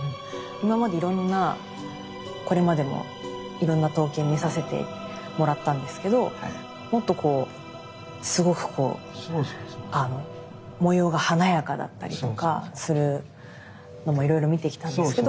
今までいろんなこれまでもいろんな刀剣見させてもらったんですけどもっとこうすごくこう模様が華やかだったりとかするのもいろいろ見てきたんですけど。